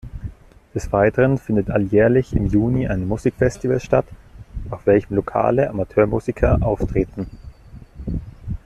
Des Weiteren findet alljährlich im Juni ein Musikfestival statt, auf welchem lokale Amateurmusiker auftreten.